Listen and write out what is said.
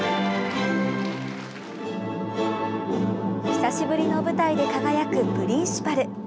久しぶりの舞台で輝くプリンシパル。